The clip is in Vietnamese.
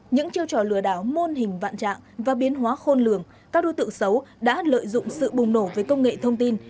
những chiêu trò lừa đảo môn hình vạn trạng và biến hóa khôn lường các đối tượng xấu đã lợi dụng sự bùng nổ về công nghệ thông tin